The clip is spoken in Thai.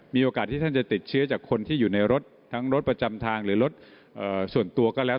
มีโอกาสที่ท่านจะติดเชื้อจากคนที่อยู่ในรถทั้งรถประจำทางหรือรถส่วนตัวก็แล้ว